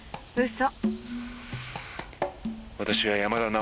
嘘。